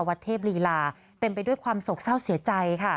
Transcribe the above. วัดเทพลีลาเต็มไปด้วยความโศกเศร้าเสียใจค่ะ